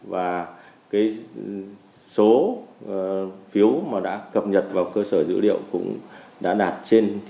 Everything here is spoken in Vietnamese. và số phiếu mà đã cập nhật vào cơ sở dữ liệu cũng đã đạt trên chín mươi